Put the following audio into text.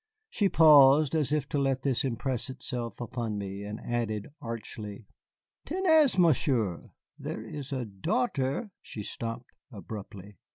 She paused, as if to let this impress itself upon me, and added archly, "Tenez, Monsieur, there is a daughter " She stopped abruptly.